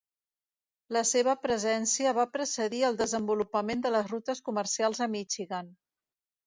La seva presència va precedir el desenvolupament de les rutes comercials a Michigan.